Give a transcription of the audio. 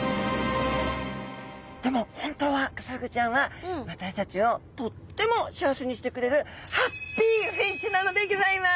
でも私たちをとっても幸せにしてくれるハッピーフィッシュなのでギョざいます！